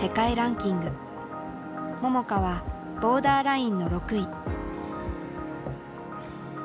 桃佳はボーダーラインの６位。